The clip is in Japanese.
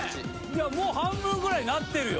もう半分ぐらいなってるよ